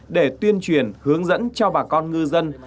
để tuyên truyền hướng dẫn cho bà con ngư dân